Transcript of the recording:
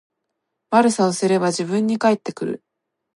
悪さをすれば自分に返ってくる